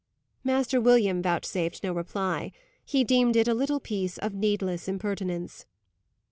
"Master William" vouchsafed no reply. He deemed it a little piece of needless impertinence.